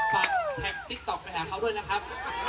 ฝากแท็กต๊อกไปหาเขาด้วยนะครับ